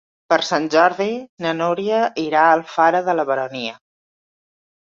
Per Sant Jordi na Núria irà a Alfara de la Baronia.